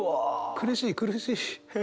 苦しい苦しい。